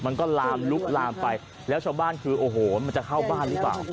มันก็ลามลุกลามไปแล้วชาวบ้านคือโอ้โหมันจะเข้าบ้านหรือเปล่า